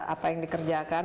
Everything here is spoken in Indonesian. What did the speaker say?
apa yang dikerjakan